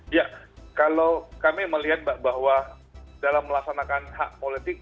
ya kalau kami melihat mbak bahwa dalam melaksanakan hak politik